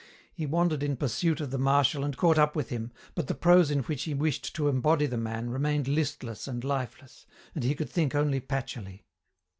He wandered in pursuit of the Marshal and caught up with him, but the prose in which he wished to embody the man remained listless and lifeless, and he could think only patchily.